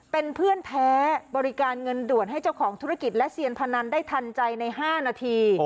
เป็นเพื่อนแท้บริการเงินด่วนให้เจ้าของธุรกิจและเซียนพนันได้ทันใจใน๕นาที